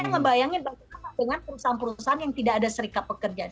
saya ngebayangin dengan perusahaan perusahaan yang tidak ada serika pekerjaan